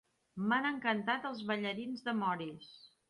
M'han encantat els ballarins de Morris!